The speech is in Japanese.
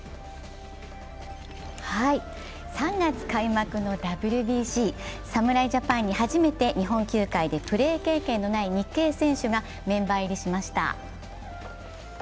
３月開幕のＷＢＣ、侍ジャパンに初めて日本球界でプレー経験のない日系選手がメンバー入りしました。